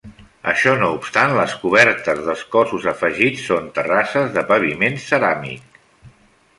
Això no obstant, les cobertes dels cossos afegits són terrasses de paviment ceràmic.